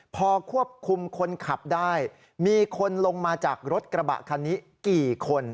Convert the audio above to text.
พอควบคุมคนขับได้มีคนลงมาจากรถกระบะคันนี้กี่คน